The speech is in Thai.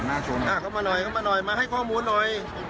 อ้าก็มาหน่อยมาให้ข้อมูลหน่อย